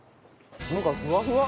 なんかふわふわ。